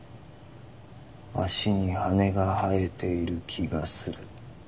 足に羽が生えている気がする。